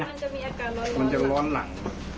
มันจะมีอากาศร้อนหลัง